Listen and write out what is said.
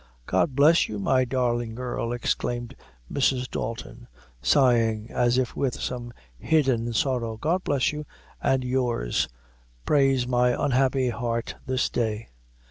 "God bless you, my darlin' girl!" exclaimed Mrs. Dalton, sighing, as if with some hidden sorrow; "God bless you and yours, prays my unhappy heart this day!"